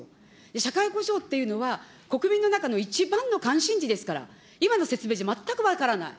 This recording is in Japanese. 社会保障っていうのは国民の中の一番の関心事ですから、今の説明じゃ全く分からない。